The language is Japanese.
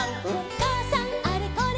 「かあさんあれこれ